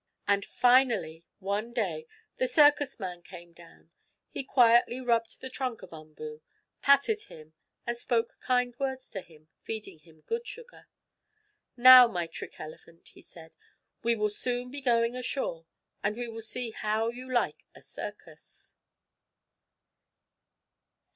And finally, one day, the circus man came down. He quietly rubbed the trunk of Umboo, patted him, and spoke kind words to him, feeding him good sugar. "Now, my trick elephant," he said, "we will soon be going ashore, and we will see how you like a circus."